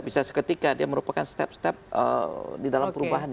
bisa seketika dia merupakan step step di dalam perubahannya